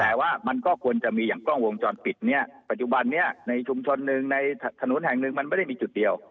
แต่ว่ามันก็ควรจะมีอย่างกล้องวงจรปิดเนี่ยปัจจุบันนี้ในชุมชนหนึ่งในถนนแห่งหนึ่งมันไม่ได้มีจุดเดียว